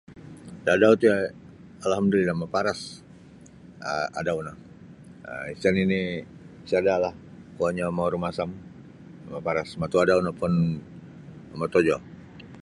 Dadau ti alhamdulillah maparas um adau no um isa nini sadalah kuonyo mau rumasam maparas matuadau no pun motojo.